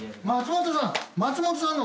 松本さん！